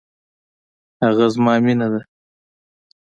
هغه زما مینه ده